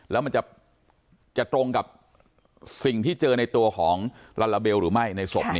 แล้วมันจะตรงกับสิ่งที่เจอในตัวของลาลาเบลหรือไม่ในศพ